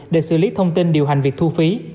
để xử lý thông tin điều hành việc thu phí